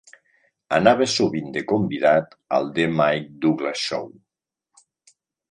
Anava sovint de convidat al "The Mike Douglas Show".